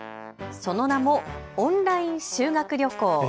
その名もオンライン修学旅行。